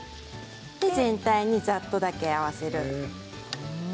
全体にざっとだけ合わせる。